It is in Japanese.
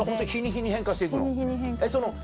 ホント日に日に変化して行くの？